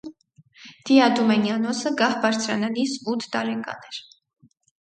Դիադումենյանոսը գահ բարձրանալիս ութ տարեկան էր։